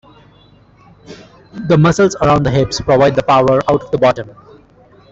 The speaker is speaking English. The muscles around the hips provide the power out of the bottom.